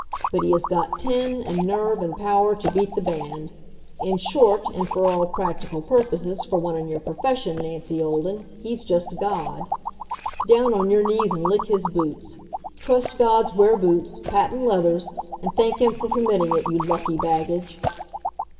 But he has got tin and nerve and power to beat the band. In short, and for all practical purposes for one in your profession, Nancy Olden, he's just God. Down on your knees and lick his boots Trust gods wear boots, patent leathers and thank him for permitting it, you lucky baggage!"